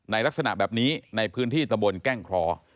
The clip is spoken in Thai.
ลักษณะแบบนี้ในพื้นที่ตะบนแก้งคลอ